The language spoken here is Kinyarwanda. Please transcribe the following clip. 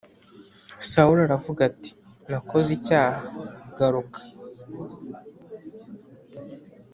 Sawuli aravuga ati Nakoze icyaha Garuka